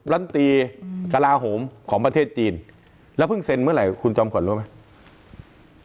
ลำตีกระลาโหมของประเทศจีนแล้วเพิ่งเซ็นเมื่อไหร่คุณจอมขวัญรู้ไหม